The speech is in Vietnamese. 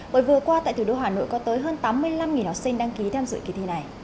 bởi vừa qua tại thủ đô hà nội có tới hơn tám mươi năm học sinh đăng ký tham dự kỳ thi này